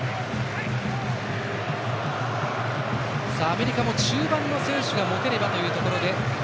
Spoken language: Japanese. アメリカも中盤の選手が持てればというところ。